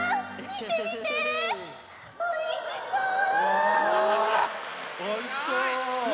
わおいしそう！